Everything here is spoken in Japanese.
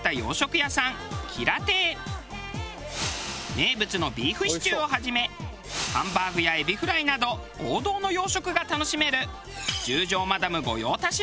名物のビーフシチューをはじめハンバーグやエビフライなど王道の洋食が楽しめる十条マダム御用達のお店。